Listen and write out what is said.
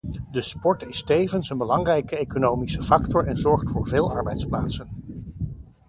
De sport is tevens een belangrijke economische factor en zorgt voor veel arbeidsplaatsen.